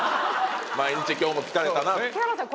毎日今日も疲れたな木原さん